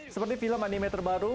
seperti film anime terbaru